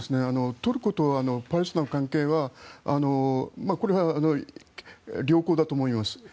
トルコとパレスチナの関係はこれは良好だと思います。